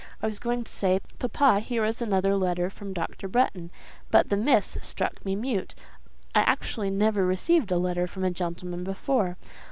I was going to say, 'Papa, here is another letter from Dr. Bretton;' but the 'Miss' struck me mute. I actually never received a letter from a gentleman before.